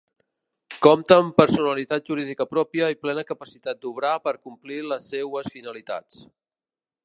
Compta amb personalitat jurídica pròpia i plena capacitat d'obrar per complir les seues finalitats.